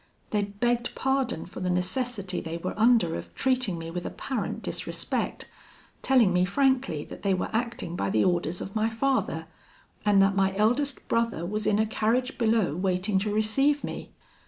They begged pardon for the necessity they were under of treating me with apparent disrespect; telling me frankly that they were acting by the orders of my father, and that my eldest brother was in a carriage below waiting to receive me.